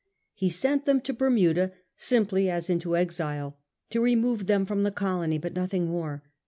He sent them to Bermuda simply as into exile 5 to remove them from the colony, but nothing more.